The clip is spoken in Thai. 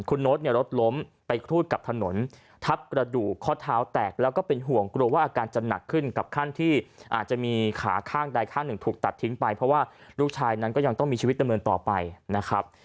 คุณโน๊ตเนี่ยรถล้มไปครูดกับถนนทับกระดูกข้อเท้าแตกแล้วก็เป็นห่วงกลัวว่าอาการจะหนักขึ้นกับขั้นที่อาจจะมีขาข้างใดข้างหนึ่งถูกตัดทิ้งไปเพราะว่าลูกชายนั้นก็ยังต้องมีชีวิตดำเนินต่อไปนะครับ